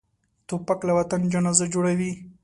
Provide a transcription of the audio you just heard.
توپک له وطن جنازه جوړوي.